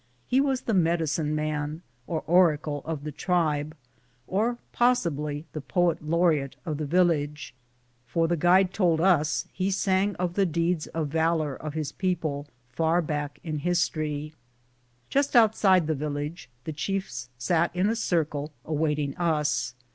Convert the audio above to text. He was the "medicine man," or oracle, of the tribe, or possibly the "poet laureate" of the village, for the guide told us he sang of the deeds of valor of his peo ple far back in history. Just outside of the village, the chiefs sat in a circle awaiting us.